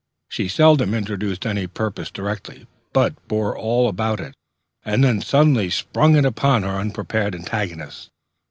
She seldom introduced any purpose directly, but bore all about it, and then suddenly sprung it upon her unprepared antagonist.